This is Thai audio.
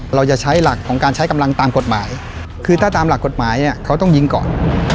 เราจะใช้หลักของการใช้กำลังตามกฎหมายคือถ้าตามหลักกฎหมายเนี่ยเขาต้องยิงก่อน